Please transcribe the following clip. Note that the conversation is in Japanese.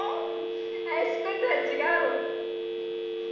林君とは違うの。